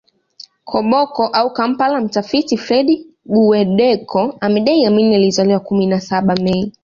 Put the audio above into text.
Koboko au Kampala Mtafiti Fred Guweddeko amedai Amin alizaliwa kumi na saba Mei